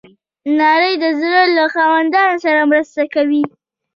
نړۍ د زړه له خاوندانو سره مرسته کوي.